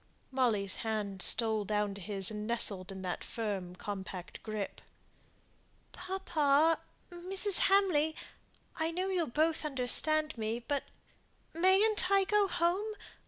Molly's hand stole down to his, and nestled in that firm compact grasp. "Papa! Mrs. Hamley! I know you'll both understand me but mayn't I go home?